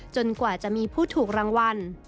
กว่าจะมีผู้ถูกรางวัล